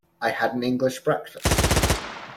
I had an English breakfast.